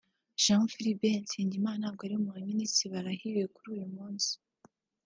Jean Philbert Nsengimana ntabwo bari mu baminisitiri barahiye kuri uyu munsi